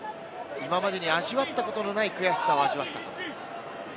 今までに味わったことがない悔しさを味わったと。